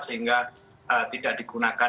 sehingga tidak diterapkan